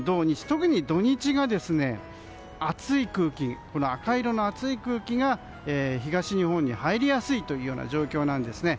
特に土日が赤色の熱い空気が東日本に入りやすいという状況なんですね。